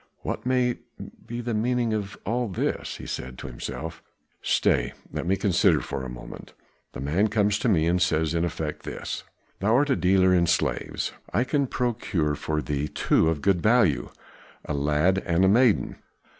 "What may be the meaning of all this?" he said to himself. "Stay, let me consider for a moment. The man comes to me and says in effect this: 'Thou art a dealer in slaves; I can procure for thee two of good value, a lad and a maiden.